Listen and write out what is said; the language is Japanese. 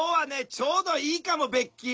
ちょうどいいかもベッキー！